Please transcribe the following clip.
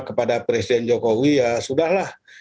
kepada presiden jokowi ya sudahlah